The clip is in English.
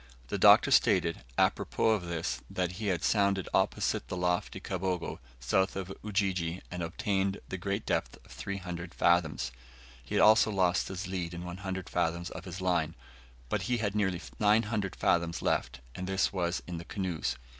The Doctor stated, apropos of this, that he had sounded opposite the lofty Kabogo, south of Ujiji, and obtained the great depth of 300 fathoms. He also lost his lead and 100 fathoms of his line, but he had nearly 900 fathoms left, and this was in the canoes.